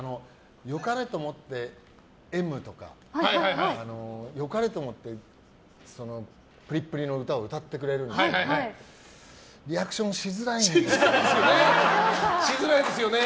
よかれと思って「Ｍ」とか良かれと思ってプリプリの歌を歌ってくれるんですけどリアクションしづらいんですよね。